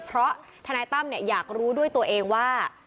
เพราะทนายตั้มอยากรู้ด้วยตัวเองว่า